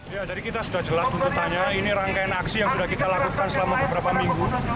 ya jadi kita sudah jelas tuntutannya ini rangkaian aksi yang sudah kita lakukan selama beberapa minggu